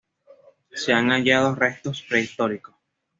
Se han hallado restos prehistóricos.